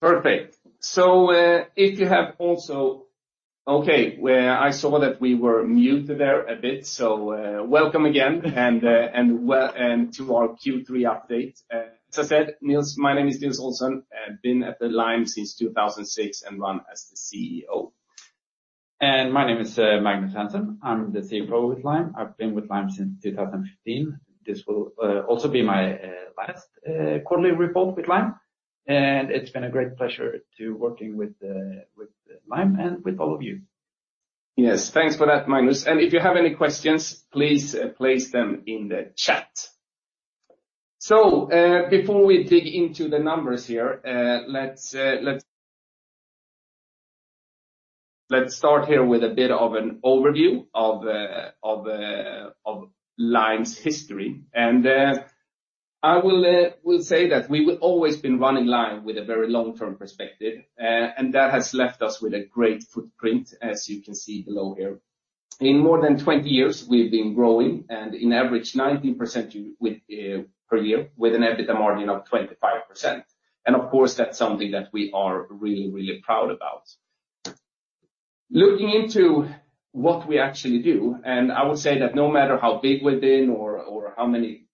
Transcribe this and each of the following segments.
Perfect. If you have also. Okay, where I saw that we were muted there a bit. Welcome again and to our Q3 update. As I said, Nils. My name is Nils Olsson, and been at the Lime since 2006 and run as the CEO. My name is Magnus Hansson. I'm the CFO with Lime. I've been with Lime since 2015. This will also be my last quarterly report with Lime, and it's been a great pleasure to working with Lime and with all of you. Yes, thanks for that, Magnus. If you have any questions, please place them in the chat. Before we dig into the numbers here, let's start here with a bit of an overview of the Lime's history. I will say that we have always been running Lime with a very long-term perspective, and that has left us with a great footprint, as you can see below here. In more than 20 years, we've been growing on average 90% per year with an EBITDA margin of 25%. Of course, that's something that we are really, really proud about. Looking into what we actually do, and I would say that no matter how big we've been or how many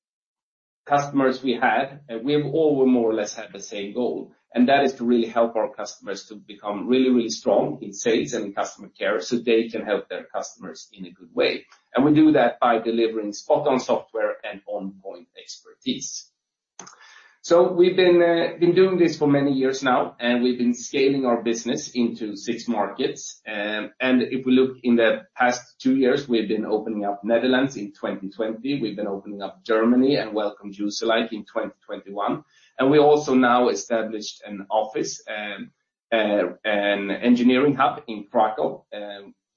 customers we had, we have all more or less had the same goal, and that is to really help our customers to become really, really strong in sales and customer care so they can help their customers in a good way. We do that by delivering spot on software and on point expertise. We've been doing this for many years now, and we've been scaling our business into six markets. If we look in the past two years, we've been opening up Netherlands in 2020. We've been opening up Germany and welcomed Userlike in 2021. We also now established an office, an engineering hub in Kraków,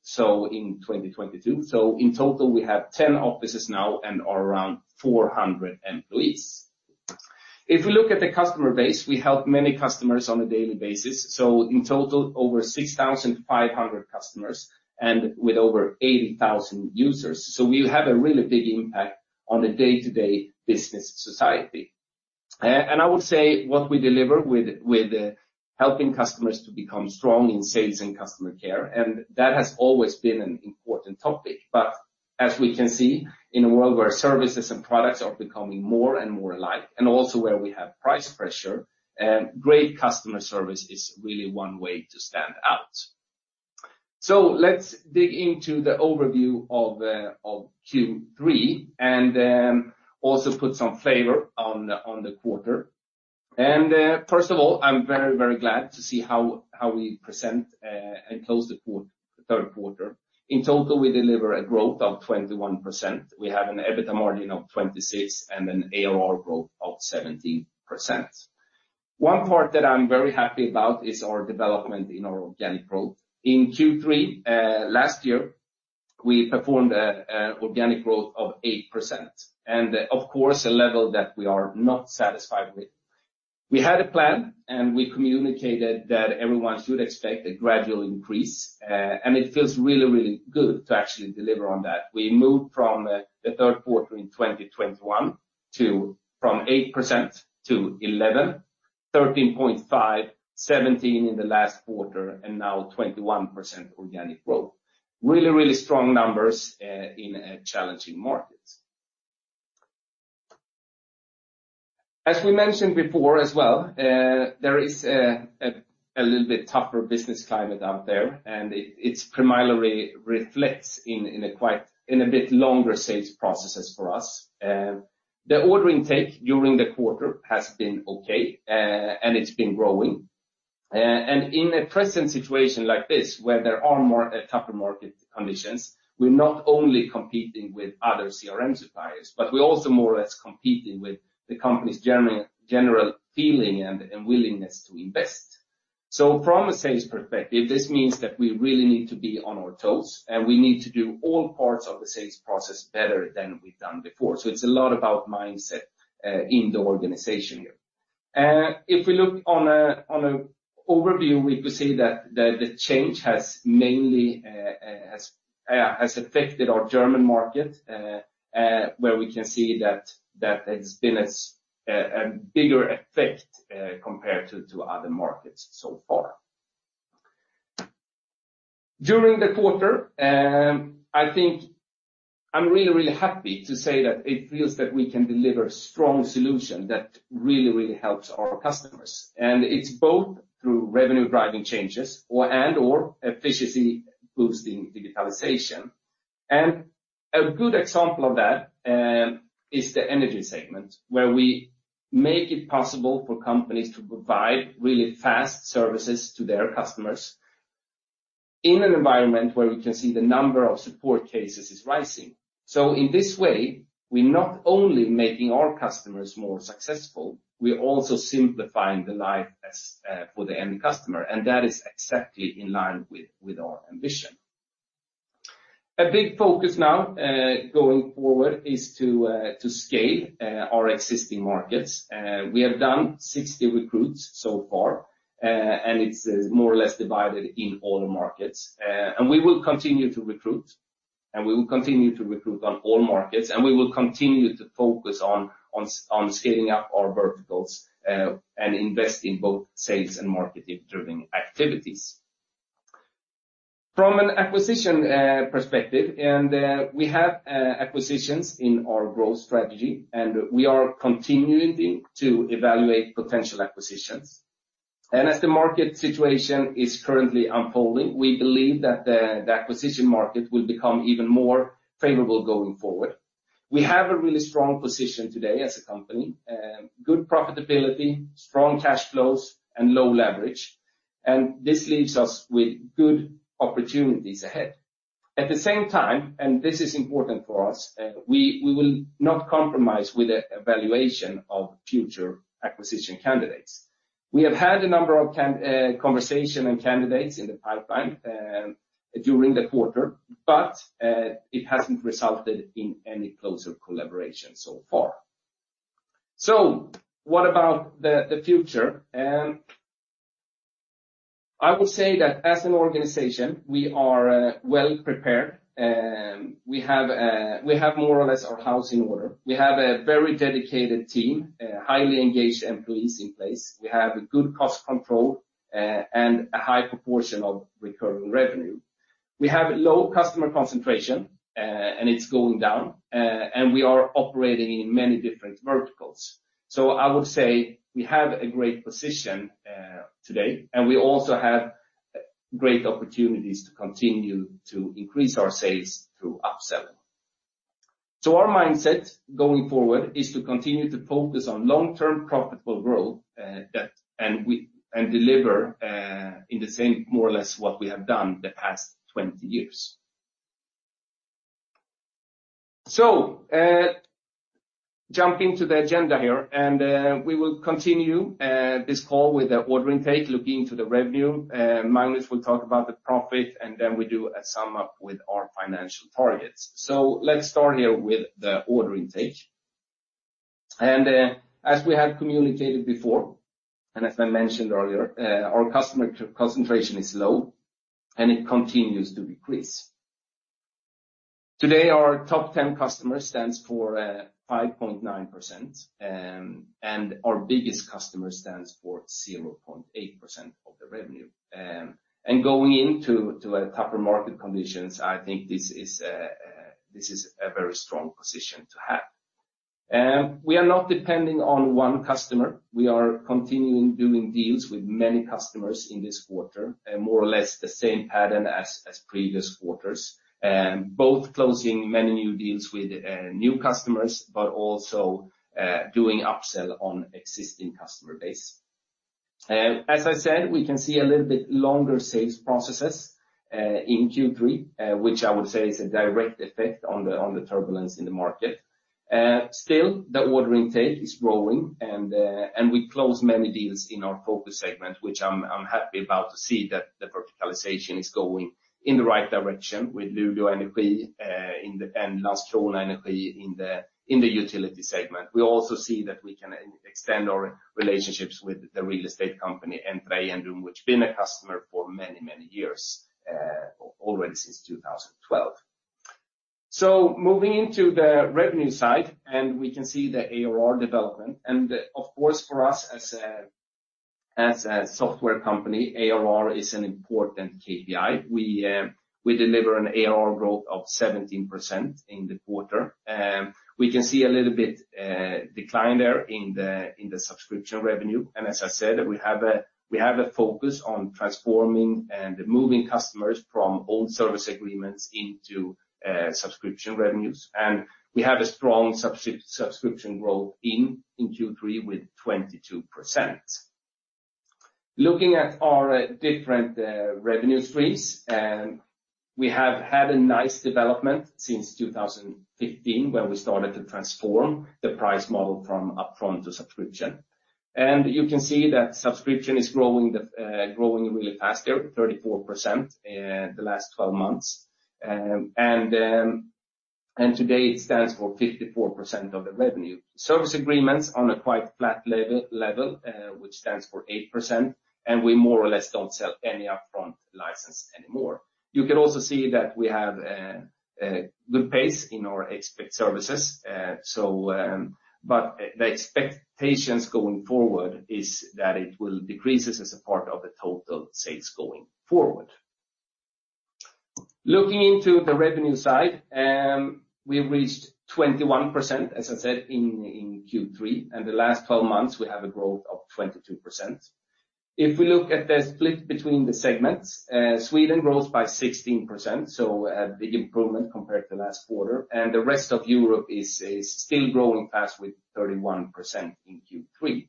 so in 2022. In total, we have 10 offices now and are around 400 employees. If we look at the customer base, we help many customers on a daily basis. In total, over 6,500 customers and with over 80,000 users. We have a really big impact on a day-to-day business society. I would say what we deliver with helping customers to become strong in sales and customer care, and that has always been an important topic. As we can see in a world where services and products are becoming more and more alike and also where we have price pressure, great customer service is really one way to stand out. Let's dig into the overview of Q3 and also put some favor on the quarter. First of all, I'm very glad to see how we present and close the third quarter. In total, we deliver a growth of 21%. We have an EBITDA margin of 26% and an ARR growth of 17%. One part that I'm very happy about is our development in our organic growth. In Q3 last year, we performed an organic growth of 8% and of course a level that we are not satisfied with. We had a plan, and we communicated that everyone should expect a gradual increase, and it feels really good to actually deliver on that. We moved from the third quarter in 2021 to from 8% to 11%, 13.5%, 17% in the last quarter, and now 21% organic growth. Really strong numbers in a challenging market. As we mentioned before as well, there is a little bit tougher business climate out there, and it primarily reflects in a bit longer sales processes for us. The order intake during the quarter has been okay, and it's been growing. In a present situation like this where there are more tougher market conditions, we're not only competing with other CRM suppliers, but we're also more or less competing with the company's general feeling and willingness to invest. From a sales perspective, this means that we really need to be on our toes, and we need to do all parts of the sales process better than we've done before. It's a lot about mindset in the organization here. If we look on a overview, we could say that the change has mainly affected our German market, where we can see that it's been a bigger effect compared to other markets so far. During the quarter, I think I'm really happy to say that it feels that we can deliver strong solution that really helps our customers. It's both through revenue-driving changes and/or efficiency-boosting digitalization. A good example of that is the energy segment, where we make it possible for companies to provide really fast services to their customers in an environment where we can see the number of support cases is rising. In this way, we're not only making our customers more successful, we're also simplifying the life as for the end customer. That is exactly in line with our ambition. A big focus now going forward is to scale our existing markets. We have done 60 recruits so far, and it's more or less divided in all the markets. We will continue to recruit on all markets, and we will continue to focus on scaling up our verticals and invest in both sales and marketing-driven activities. From an acquisition perspective, we have acquisitions in our growth strategy, and we are continuing to evaluate potential acquisitions. As the market situation is currently unfolding, we believe that the acquisition market will become even more favorable going forward. We have a really strong position today as a company, good profitability, strong cash flows, and low leverage, and this leaves us with good opportunities ahead. At the same time, and this is important for us, we will not compromise with the valuation of future acquisition candidates. We have had a number of conversations and candidates in the pipeline during the quarter, but it hasn't resulted in any closer collaboration so far. What about the future? I will say that as an organization, we are well prepared. We have more or less our house in order. We have a very dedicated team, highly engaged employees in place. We have a good cost control, and a high proportion of recurring revenue. We have low customer concentration, and it's going down, and we are operating in many different verticals. I would say we have a great position, today, and we also have great opportunities to continue to increase our sales through upselling. Our mindset going forward is to continue to focus on long-term profitable growth and deliver in the same more or less what we have done the past 20 years. Jumping to the agenda here, we will continue this call with the order intake, looking to the revenue. Magnus will talk about the profit, and then we do a sum up with our financial targets. Let's start here with the order intake. As we have communicated before, and as I mentioned earlier, our customer concentration is low, and it continues to decrease. Today, our top ten customers stand for 5.9%, and our biggest customer stands for 0.8% of the revenue. Going into a tougher market conditions, I think this is a very strong position to have. We are not depending on one customer. We are continuing doing deals with many customers in this quarter, more or less the same pattern as previous quarters, both closing many new deals with new customers, but also doing upsell on existing customer base. As I said, we can see a little bit longer sales processes in Q3, which I would say is a direct effect on the turbulence in the market. Still, the order intake is growing and we close many deals in our focus segment, which I'm happy about to see that the verticalization is going in the right direction with Luleå Energi and Landskrona Energi in the utility segment. We also see that we can extend our relationships with the real estate company, Entré & Rum, which been a customer for many, many years already since 2012. Moving into the revenue side, we can see the ARR development. Of course, for us as a software company, ARR is an important KPI. We deliver an ARR growth of 17% in the quarter. We can see a little bit decline there in the subscription revenue. As I said, we have a focus on transforming and moving customers from old service agreements into subscription revenues. We have a strong subscription growth in Q3 with 22%. Looking at our different revenue streams, we have had a nice development since 2015, when we started to transform the price model from upfront to subscription. You can see that subscription is growing really fast there, 34% the last 12 months. Today, it stands for 54% of the revenue. Service agreements on a quite flat level, which stands for 8%, and we more or less don't sell any upfront license anymore. You can also see that we have good pace in our expert services. The expectations going forward is that it will decrease as a part of the total sales going forward. Looking into the revenue side, we've reached 21%, as I said, in Q3. The last 12 months, we have a growth of 22%. If we look at the split between the segments, Sweden grows by 16%, so a big improvement compared to last quarter. The rest of Europe is still growing fast with 31% in Q3.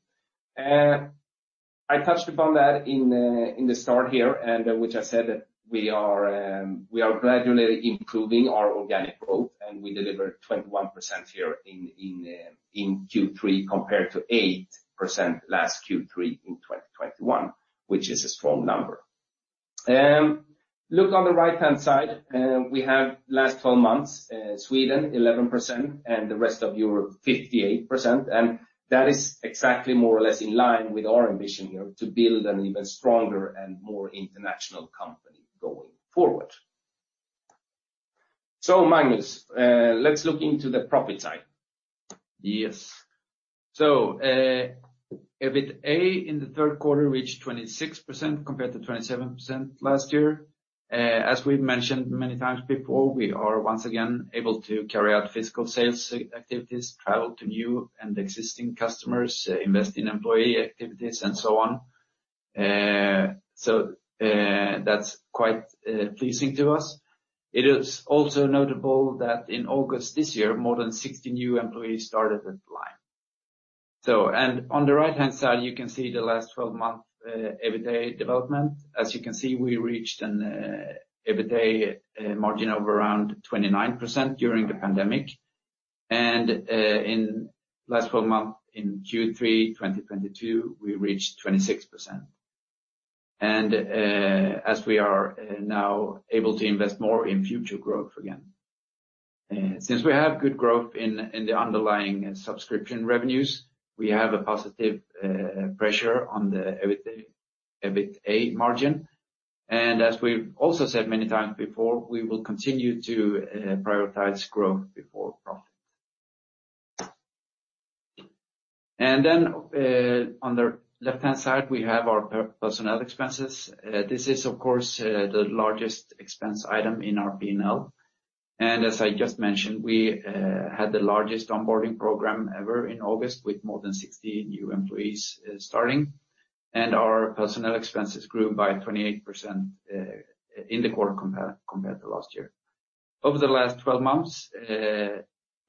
I touched upon that in the start here, and which I said that we are gradually improving our organic growth, and we delivered 21% here in Q3 compared to 8% last Q3 in 2021, which is a strong number. Look on the right-hand side. We have last 12 months, Sweden 11% and the rest of Europe 58%. That is exactly more or less in line with our ambition here to build an even stronger and more international company going forward. Magnus, let's look into the profit side. Yes. EBITA in the third quarter reached 26% compared to 27% last year. As we've mentioned many times before, we are once again able to carry out physical sales activities, travel to new and existing customers, invest in employee activities, and so on. That's quite pleasing to us. It is also notable that in August this year, more than 60 new employees started at Lime. On the right-hand side, you can see the last 12-month EBITA development. As you can see, we reached an EBITA margin of around 29% during the pandemic. In last 12 months, in Q3 2022, we reached 26%. As we are now able to invest more in future growth again. Since we have good growth in the underlying subscription revenues, we have a positive pressure on the EBITA margin. As we've also said many times before, we will continue to prioritize growth before profit. On the left-hand side, we have our personnel expenses. This is, of course, the largest expense item in our P&L. As I just mentioned, we had the largest onboarding program ever in August, with more than 60 new employees starting. Our personnel expenses grew by 28% in the quarter compared to last year. Over the last 12 months,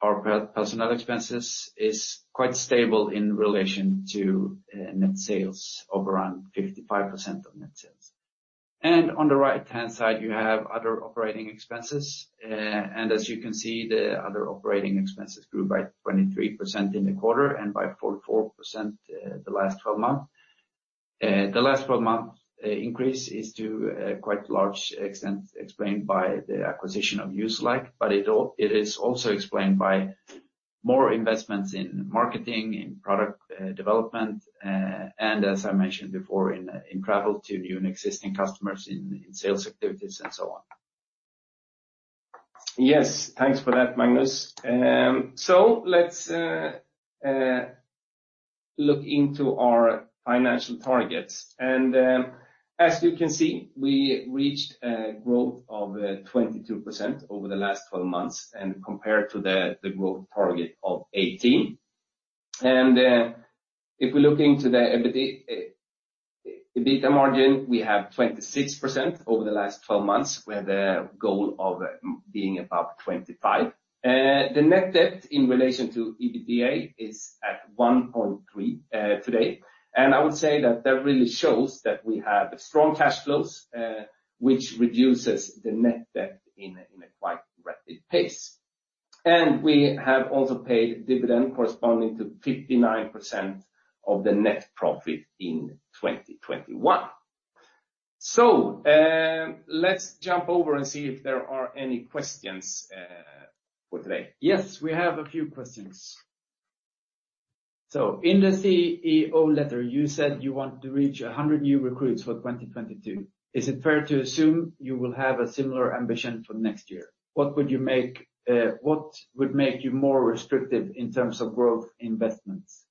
our personnel expenses is quite stable in relation to net sales of around 55% of net sales. On the right-hand side, you have other operating expenses. As you can see, the other operating expenses grew by 23% in the quarter and by 44% the last 12 months. The last 12 months increase is to a quite large extent explained by the acquisition of Userlike, but it is also explained by more investments in marketing, in product development, and as I mentioned before, in travel to new and existing customers, in sales activities, and so on. Yes. Thanks for that, Magnus. Let's look into our financial targets. As you can see, we reached a growth of 22% over the last 12 months and compared to the growth target of 18%. If we look into the EBITDA margin, we have 26% over the last 12 months, with the goal of being above 25%. The net debt in relation to EBITDA is at 1.3 today. I would say that really shows that we have strong cash flows, which reduces the net debt in a quite rapid pace. We have also paid dividend corresponding to 59% of the net profit in 2021. Let's jump over and see if there are any questions for today. Yes, we have a few questions. In the CEO letter, you said you want to reach 100 new recruits for 2022. Is it fair to assume you will have a similar ambition for next year? What would make you more restrictive in terms of growth investments?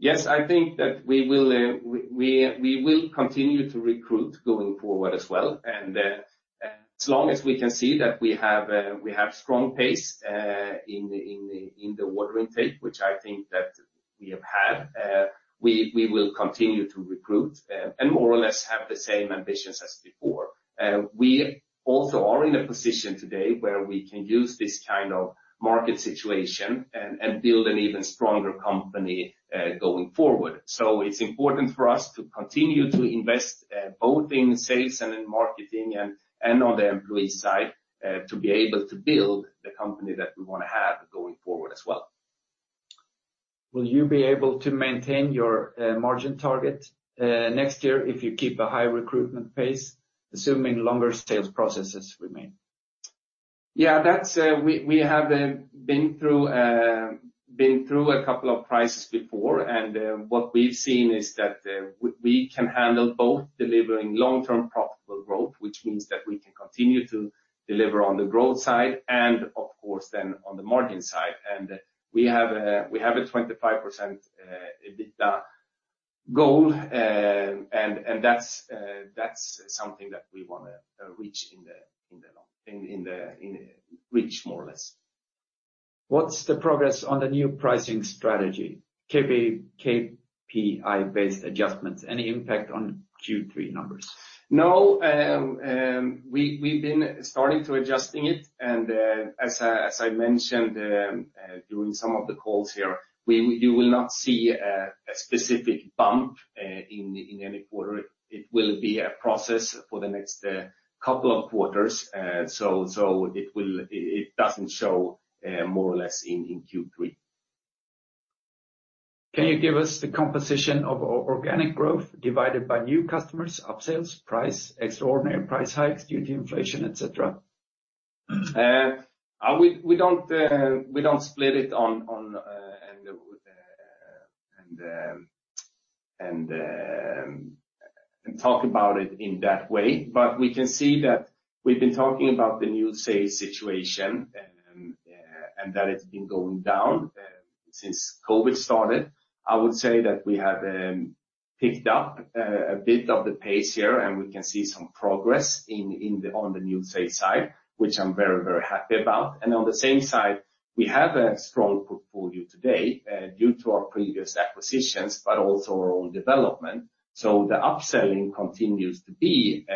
Yes, I think that we will continue to recruit going forward as well. As long as we can see that we have strong pace in the order intake, which I think that we have had, we will continue to recruit and more or less have the same ambitions as before. We also are in a position today where we can use this kind of market situation and build an even stronger company going forward. It's important for us to continue to invest both in sales and in marketing and on the employee side to be able to build the company that we wanna have going forward as well. Will you be able to maintain your margin target next year if you keep a high recruitment pace, assuming longer sales processes remain? Yeah, that's. We have been through a couple of crises before. What we've seen is that we can handle both delivering long-term profitable growth, which means that we can continue to deliver on the growth side and of course, then on the margin side. We have a 25% EBITDA goal. That's something that we wanna reach more or less. What's the progress on the new pricing strategy, KPI-based adjustments? Any impact on Q3 numbers? No. We've been starting to adjusting it. As I mentioned during some of the calls here, you will not see a specific bump in any quarter. It will be a process for the next couple of quarters. It doesn't show more or less in Q3. Can you give us the composition of organic growth divided by new customers, upsales, price, extraordinary price hikes due to inflation, et cetera? We don't split it on and talk about it in that way. We can see that we've been talking about the new sales situation, and that it's been going down since COVID started. I would say that we have picked up a bit of the pace here, and we can see some progress in on the new sales side, which I'm very, very happy about. On the same side, we have a strong portfolio today due to our previous acquisitions, but also our own development. The upselling continues to be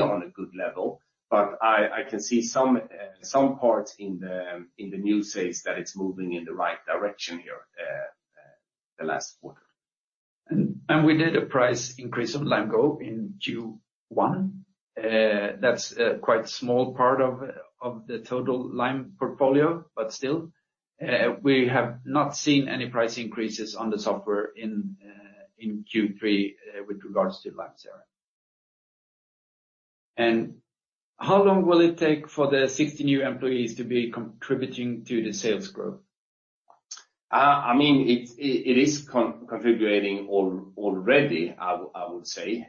on a good level. I can see some parts in the new sales that it's moving in the right direction here, the last quarter. We did a price increase on Lime Go in Q1. That's a quite small part of the total Lime portfolio, but still, we have not seen any price increases on the software in in Q3 with regards to Lime CRM. How long will it take for the 60 new employees to be contributing to the sales growth? I mean, it's contributing already, I would say,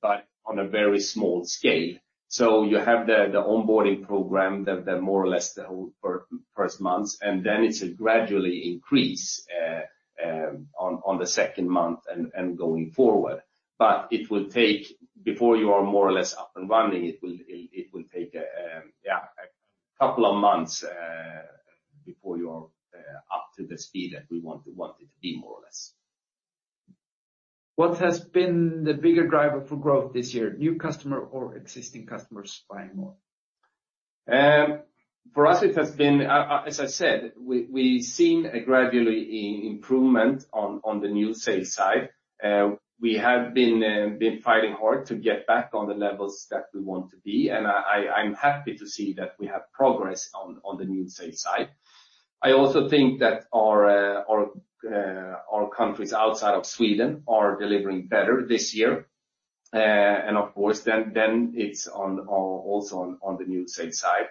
but on a very small scale. You have the onboarding program that more or less the whole first months, and then it should gradually increase on the second month and going forward. It will take a couple of months before you are more or less up and running, before you are up to the speed that we want it to be, more or less. What has been the bigger driver for growth this year, new customer or existing customers buying more? For us, it has been, as I said, we've seen a gradual improvement on the new sales side. We have been fighting hard to get back on the levels that we want to be, and I'm happy to see that we have progress on the new sales side. I also think that our countries outside of Sweden are delivering better this year. Of course, it's also on the new sales side.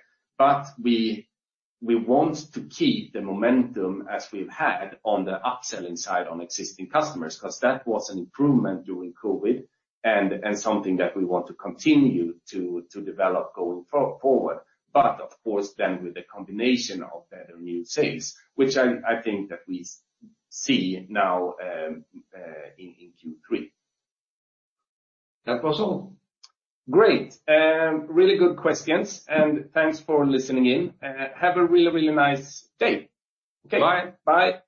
We want to keep the momentum as we've had on the upselling side on existing customers, 'cause that was an improvement during COVID and something that we want to continue to develop going forward. Of course then with a combination of better new sales, which I think that we see now, in Q3. That was all. Great. Really good questions, and thanks for listening in. Have a really, really nice day. Okay. Bye. Bye.